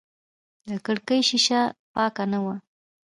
د کړکۍ شیشه پاکه نه وه.